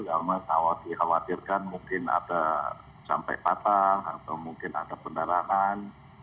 karena dikhawatirkan mungkin ada sampai patah atau mungkin ada penerangan